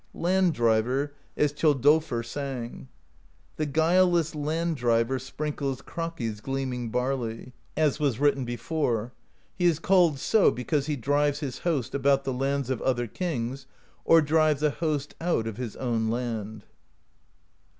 Land Driver, as Thjodolfr sang: The guileless Land Driver sprinkles Kraki's gleaming barley, as was written before;^ he is called so because he drives his host about the lands of other kings, or drives a host out of his own land.